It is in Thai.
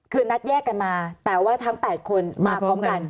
คือนัดแยกกันมาแต่ว่าทั้ง๘คนมาพร้อมกัน